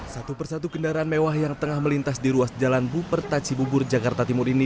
satu persatu kendaraan mewah yang tengah melintas di ruas jalan buperta cibubur jakarta timur ini